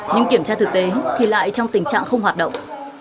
nhưng kiểm tra thực tế thì lại trong tình trạng không hoạt động